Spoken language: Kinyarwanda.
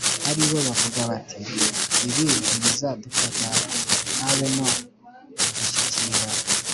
ari bo bavuga bati ‘Ibibi ntibizadufata, habe no kudushyikira.’